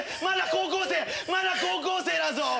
まだ高校生まだ高校生だぞ！